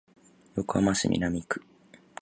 横浜市南区